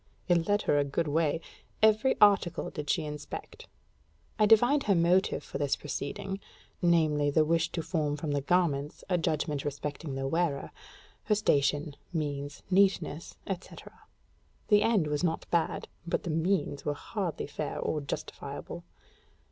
It led her a good way: every article did she inspect. I divined her motive for this proceeding; viz., the wish to form from the garments a judgment respecting the wearer, her station, means, neatness, etc. The end was not bad, but the means were hardly fair or justifiable.